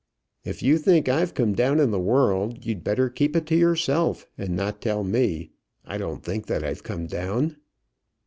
"If you think I've come down in the world, you'd better keep it to yourself, and not tell me. I don't think that I've come down."